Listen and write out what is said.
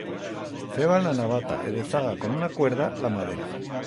Feban la navata e dezaga, con una cuerda, la madera.